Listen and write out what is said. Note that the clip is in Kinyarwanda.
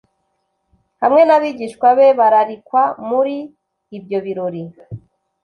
hamwe n’abigishwa be bararikwa muri ibyo birori